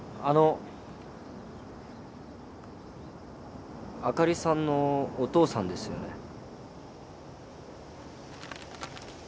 あかりさんのお父さんですよね？